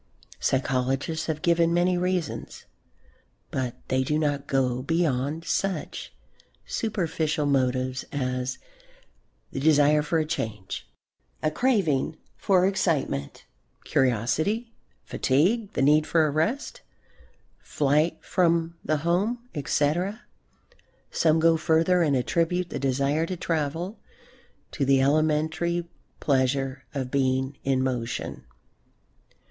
Psychologists have given many reasons, but they do not go beyond such superficial motives as "the desire for a change," "a craving for excitement," "curiosity," "fatigue, the need for a rest," "flight from the home," etc. Some go further and attribute the desire to travel to the elementary pleasure of being in motion.